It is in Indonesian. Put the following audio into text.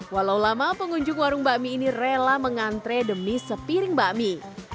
walau lama pengunjung warung bakmi ini rela mengantre demi sepiring bakmi